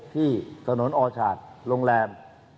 ที่สนอชาติโรงแรม